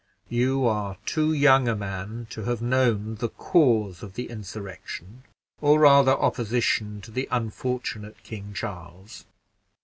You are too young a man to have known the cause of the insurrection, or, rather, opposition, to the unfortunate King Charles.